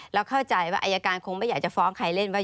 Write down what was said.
เข้าใจว่าอายการคงไม่อยากจะฟ้องใครเล่นว่า